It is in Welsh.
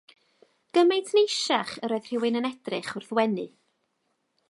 Gymaint neisach yr oedd rhywun yn edrych wrth wenu.